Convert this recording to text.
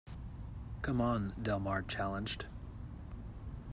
Come on, Del Mar challenged.